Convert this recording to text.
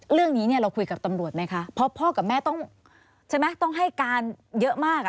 เรื่องนี้เราคุยกับตำรวจไหมคะเพราะพ่อกับแม่ต้องให้การเยอะมาก